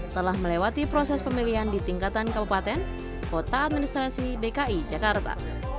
telah melewati proses pemilihan di tingkatan kabupaten kota administrasi dki jakarta